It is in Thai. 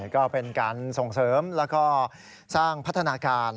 ก็เป็นการส่งเสริมแล้วก็สร้างพัฒนาการ